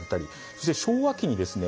そして昭和期にですね